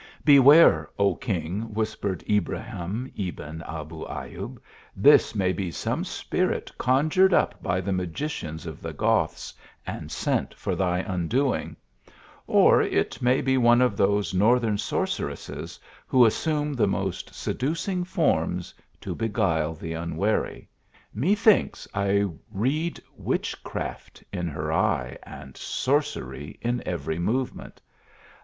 " Beware, O king," whispered Ibrahim Ebn Abu Ayub ," this may be some spirit conjured up by the magicians of the Goths, and sent for thy undoing, THE ARABIAN ASIt TOL GE& 121 Or It may be one of those northern sorceresses, wlio assume the most seducing forms to beguile\the un wary. Methinks I read witchcraft in her eye, and sorcery in every movement.